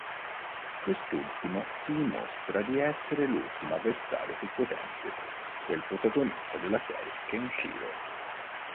Quest'ultimo si dimostra di essere l'ultimo avversario più potente del protagonista della serie, Kenshiro.